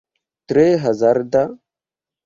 Tre hazarda?